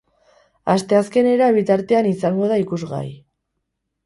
Asteazkenera bitartean izango da ikusgai.